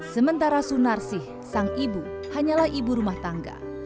sementara sunarsih sang ibu hanyalah ibu rumah tangga